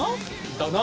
だな！